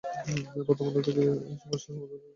প্রথম আলো আগের চেয়ে কি এখন এই সমস্যা বেড়েছে বলে মনে করেন?